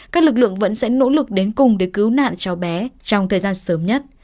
các lực lượng vẫn sẽ nỗ lực đến cùng để cứu nạn chó bé trong thời gian sớm nhất